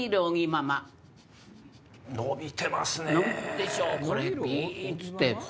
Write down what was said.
伸びてますね。